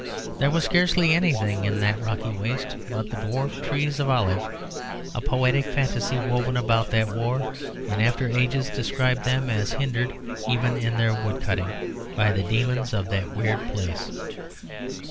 There was scarcely anything in that rocky waste but the dwarf trees of olive; a poetic fantasy woven about that war in after ages described them as hindered even in their wood cutting by the demons of that weird place.